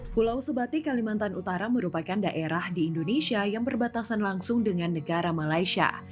pulau sebatik kalimantan utara merupakan daerah di indonesia yang berbatasan langsung dengan negara malaysia